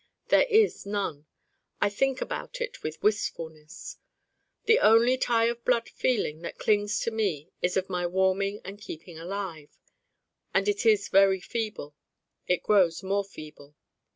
There is none. I think about it with wistfulness. The only tie of blood feeling that clings to me is of my warming and keeping alive. And it is very feeble. It grows more feeble.